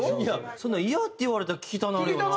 そんなイヤって言われたら聞きたなるよな。